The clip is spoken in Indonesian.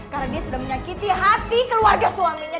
karena dia sudah menyakiti hati keluarga suaminya